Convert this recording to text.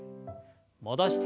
戻して。